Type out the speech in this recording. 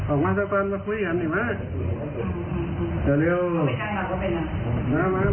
ออกมาเต็มครับเต็มเร็ว